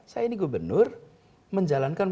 saya ini gubernur menjalankan